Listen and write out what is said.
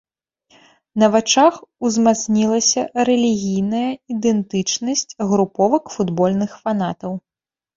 На вачах узмацнілася рэлігійная ідэнтычнасць груповак футбольных фанатаў.